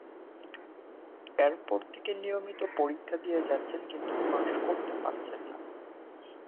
এরপর থেকে নিয়মিত পরীক্ষা দিয়ে যাচ্ছেন, কিন্তু পাস করতে পারছেন না।